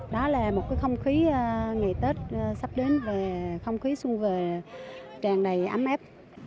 đó là một cái không khí ngày tết sắp đến về không khí xuân về tràn đầy ấm áp